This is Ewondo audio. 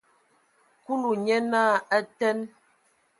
Kulu nye naa: A teen!